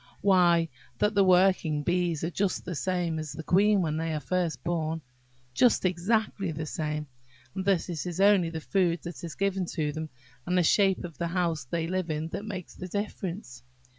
"Why, that the working bees are just the same as the queen when they are first born, just exactly the same, and that it is only the food that is given them, and the shape of the house they live in, that makes the difference.